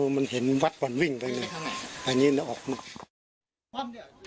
โอ้มันเห็นวัดวันวิ่งไปเลยอันนี้น่ะออกมา